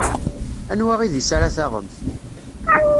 Anwa idis ara taɣemt?